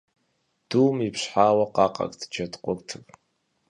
Дум ипщхьауэ къакъэрт джэд къуртыр.